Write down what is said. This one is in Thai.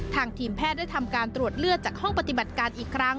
ทีมแพทย์ได้ทำการตรวจเลือดจากห้องปฏิบัติการอีกครั้ง